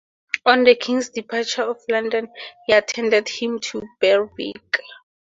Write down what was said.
On the king's departure for London he attended him to Berwick.